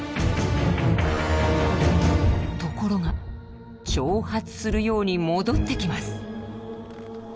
ところが挑発するように戻ってきます。